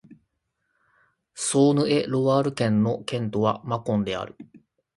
ソーヌ＝エ＝ロワール県の県都はマコンである